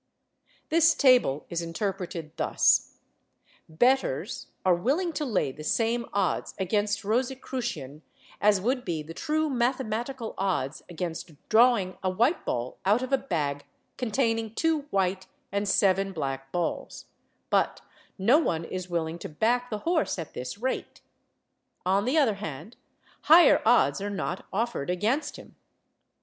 This table is interpreted thus: bettors are willing to lay the same odds against Rosicrucian as would be the true mathematical odds against drawing a white ball out of a bag containing two white and seven black balls; but no one is willing to back the horse at this rate; on the other hand, higher odds are not offered against him.